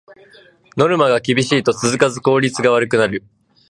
ノルマが厳しいと続かず効率が悪くなる